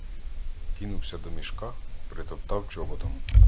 Кинувся до мішка, притоптав чоботом.